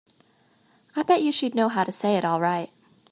I bet you she'd know how to say it all right.